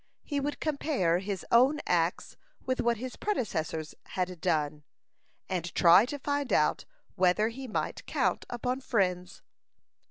He would compare his own acts with what his predecessors had done, and try to find out whether he might count upon friends.